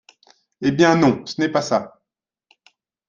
Eh bien, non, ce n’est pas ça !